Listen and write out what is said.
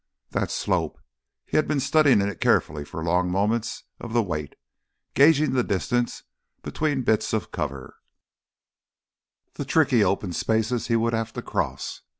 That slope ... he had been studying it carefully for long moments of the wait, gauging the distances between bits of cover, the tricky open spaces he would have to cross.